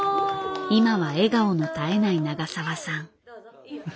今は笑顔の絶えない永澤さん。